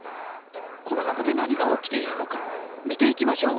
この中で何が起きているのか見ていきましょう！